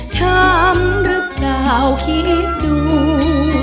ช้ำหรือเปล่าคิดดู